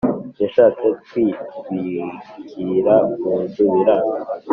yashatse kwitwukira munzu biranga